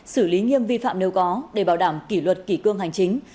xử lý nghiêm vi phạm nếu có để bảo đảm kỷ luật kỷ cương hành chính